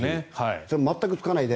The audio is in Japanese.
それに全くつかないで。